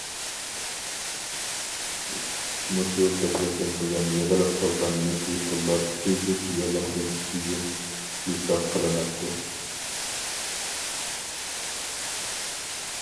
مۇشۇ بىر يىلدىن بۇيان يىغىلىپ قالغان نېسى پۇللار كۈزلۈك يىغىمدىن كېيىن ھېساب قىلىناتتى.